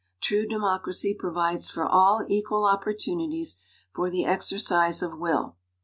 True democracy provides for all equal opportuni ties for the exercise of will.